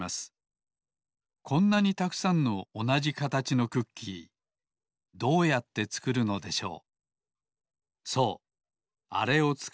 こんなにたくさんのおなじかたちのクッキーどうやってつくるのでしょう。